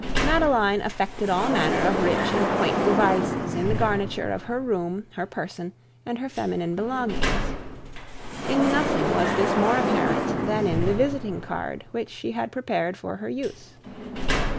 Madeline affected all manner of rich and quaint devices in the garniture of her room, her person, and her feminine belongings. In nothing was this more apparent than in the visiting card which she had prepared for her use.